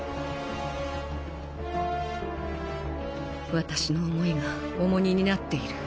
私の想いが重荷になっている。